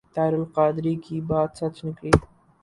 طاہر القادری کی بات سچ نکلی ۔